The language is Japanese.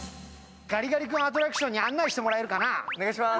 ガリガリ君アトラクションに案内してもらえるかな。